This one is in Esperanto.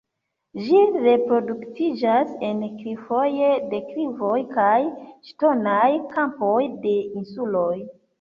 Ĝi reproduktiĝas en klifoj, deklivoj kaj ŝtonaj kampoj de insuloj.